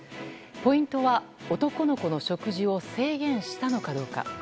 ポイントは男の子の食事を制限したのかどうか。